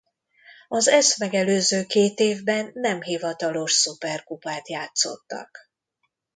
Az ezt megelőző két évben nem hivatalos szuperkupát játszottak.